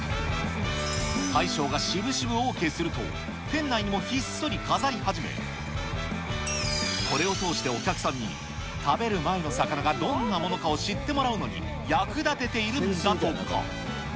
大将が渋々ＯＫすると、店内にもひっそり飾り始め、これを通してお客さんに食べる前の魚がどんなものかを知ってもらうのに役立てているんだとか。